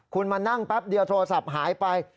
คุณมานั่งแป๊บเดียวโทรศัพท์หายไป